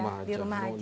jadi di rumah aja